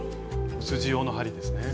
薄地用の針ですね。